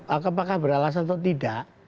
apakah beralasan atau tidak